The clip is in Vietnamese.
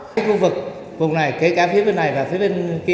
cái khu vực vùng này kể cả phía bên này và phía bên kia